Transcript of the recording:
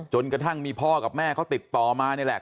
กระทั่งมีพ่อกับแม่เขาติดต่อมานี่แหละ